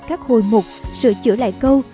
các hồi mục sự chữa lại câu